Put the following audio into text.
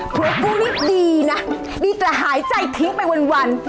คุณกู้นี่ดีนะดีแต่หายใจทิ้งไปวัน